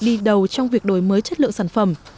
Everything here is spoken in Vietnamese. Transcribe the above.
đi đầu trong việc đổi mới chất lượng sản phẩm